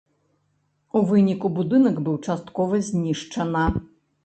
У выніку будынак быў часткова знішчана.